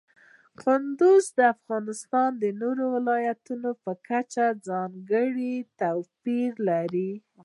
کندهار د افغانستان د نورو ولایاتو په کچه ځانګړی توپیر لري.